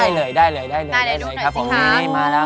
อ๋อเหรอเหรอ